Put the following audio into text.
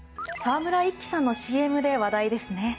沢村一樹さんのＣＭで話題ですね。